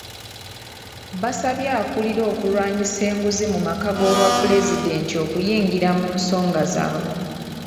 Basabye akulira okulwanyisa enguzi mu maka g'obwapulezidenti okuyingira mu nsonga zaabwe.